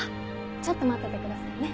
ちょっと待っててくださいね。